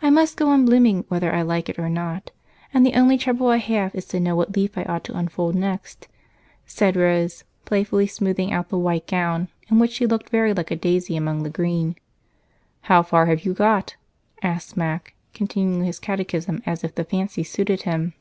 I must go on blooming whether I like it or not, and the only trouble I have is to know what leaf I ought to unfold next," said Rose, playfully smoothing out the white gown, in which she looked very like a daisy among the green. "How far have you got?" asked Mac, continuing his catechism as if the fancy suited him.